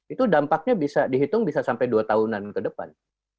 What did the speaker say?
itu dampaknya bisa dihitung bisa sampai dua tahunan ke depan